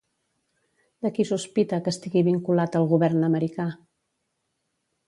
De qui sospita que estigui vinculat al govern americà?